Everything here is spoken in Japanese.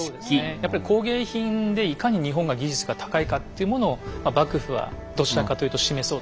やっぱり工芸品でいかに日本が技術が高いかっていうものを幕府はどちらかというと示そうとしたのかなと思うんですね。